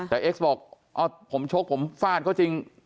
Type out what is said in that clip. แต่เอ็กซ์บอกผมชกผมฟาดเขาจริง